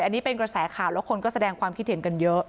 อันนี้เป็นกระแสข่าวแล้วคนก็แสดงความคิดเห็นกันเยอะ